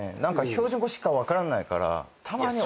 標準語しか分からないから。